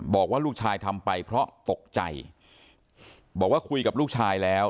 บอกว่าลูกชายทำไปเพราะตกใจบอกว่าคุยกับลูกชายแล้ว